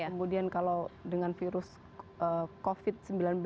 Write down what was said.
kemudian kalau dengan virus covid sembilan belas